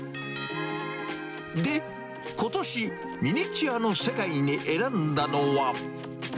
で、ことし、ミニチュアの世界に選んだのは。